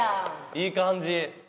いい感じ。